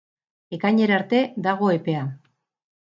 Ekainera arte dago epea.